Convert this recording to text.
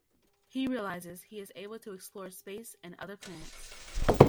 He realizes he is able to explore space and other planets.